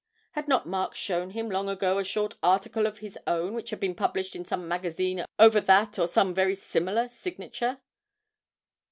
Had not Mark shown him long ago a short article of his own which had been published in some magazine over that or some very similar signature?